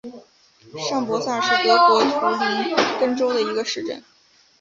上伯萨是德国图林根州的一个市镇。